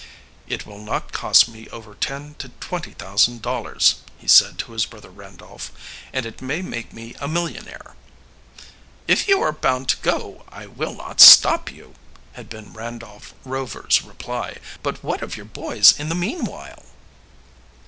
"It will not cost me over ten to twenty thousand dollars," he said to his brother Randolph. "And it may make me a millionaire." "If you are bound to go, I will not stop you," had been Randolph Rover's reply. "But what of your boys in the meanwhile?"